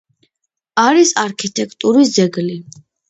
არის არქიტექტურის ძეგლი.